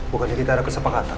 bukannya kita ada kesepakatan